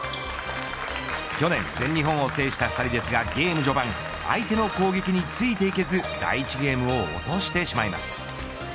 去年、全日本を制した２人ですがゲーム序盤相手の攻撃についていけず第１ゲームをおとしてしまいます。